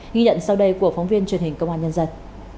ghi nhận sau đây của phóng viên truyền hình công an nhân dân